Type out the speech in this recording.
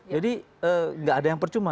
jadi nggak ada yang percuma